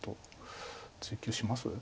追及します？